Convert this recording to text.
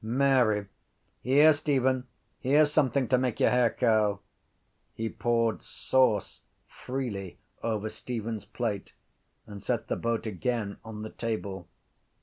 —Mary? Here, Stephen, here’s something to make your hair curl. He poured sauce freely over Stephen’s plate and set the boat again on the table.